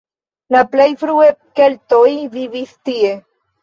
La plej frue keltoj vivis tie.